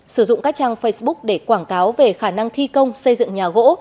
sử dụng các trang facebook để quảng cáo về khả năng thi công xây dựng nhà gỗ